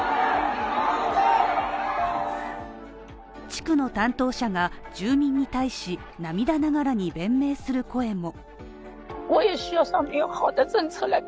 地区の担当者が住民に対し、涙ながらに弁明する声も。